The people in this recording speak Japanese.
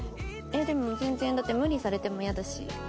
えっでも全然だって無理されてもイヤだし。